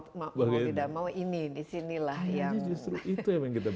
tidak mau ini di sinilah yang